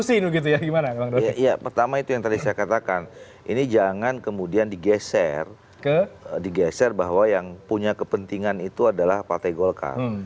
iya pertama itu yang tadi saya katakan ini jangan kemudian digeser digeser bahwa yang punya kepentingan itu adalah partai golkar